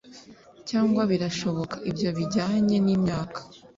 cyangwa birashoboka - ibyo bijyanye n'imyaka